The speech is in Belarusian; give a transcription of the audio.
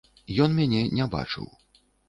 Ён мяне не бачыў.